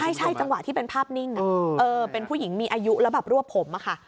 ใช่จังหวะที่เป็นภาพนิ่งเป็นผู้หญิงมีอายุแล้วแบบรวบผมอะค่ะ